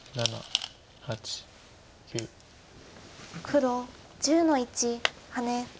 黒１０の一ハネ。